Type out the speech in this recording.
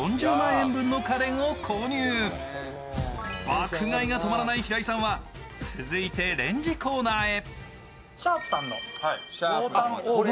爆買いが止まらない平井さんは、続いてレンジコーナーへ。